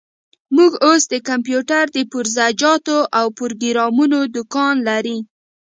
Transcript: موږ اوس د کمپيوټر د پرزه جاتو او پروګرامونو دوکان لري.